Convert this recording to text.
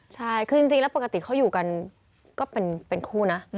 ใช่คือจริงแล้วปกติเขาอยู่กันก็เป็นคู่นะ